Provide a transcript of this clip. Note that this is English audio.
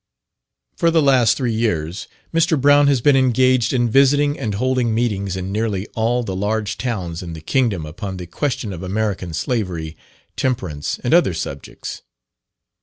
For the last three years Mr. Brown has been engaged in visiting and holding meetings in nearly all the large towns in the kingdom upon the question of American Slavery, Temperance, and other subjects.